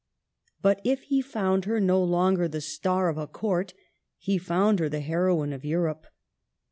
But if h4 found her no longer the star of a court, he found her the heroine of Europe.